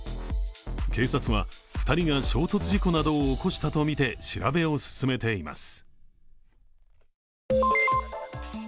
警察は、２人が衝突事故などを起こしたとみて調べを進めています。